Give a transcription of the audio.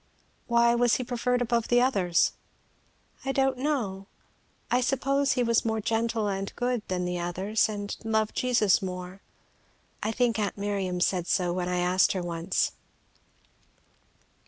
"Why was he preferred above the others?" "I don't know. I suppose he was more gentle and good than the others, and loved Jesus more. I think aunt Miriam said so when I asked her once."